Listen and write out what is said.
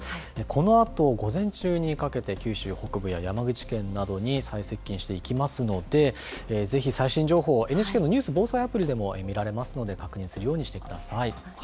このあと午前中にかけて、九州北部や山口県などに最接近していきますので、ぜひ最新情報、ＮＨＫのニュース・防災アプリでも見られますので、確認するようにしてください。